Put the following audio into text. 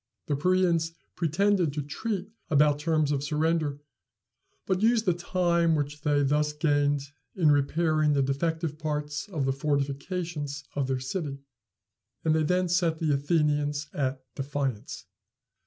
The Parians pretended to treat about terms of surrender, but used the time which they thus gained in repairing the defective parts of the fortifications of their city, and they then set the Athenians at defiance.